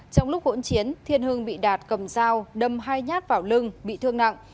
trong lúc hỗn chiến thiên hưng bị đạt cầm dao đâm hai nhát vào lưng bị thương nặng